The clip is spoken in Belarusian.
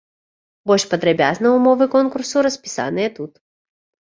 Больш падрабязна ўмовы конкурсу распісаныя тут.